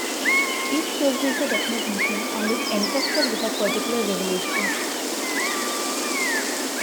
Each fulfills a definite mission, and is entrusted with a particular revelation.